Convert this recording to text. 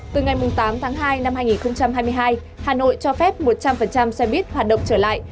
từ ngày tám tháng hai năm hai nghìn hai mươi hai hà nội cho phép một trăm linh xe buýt hoạt động trở lại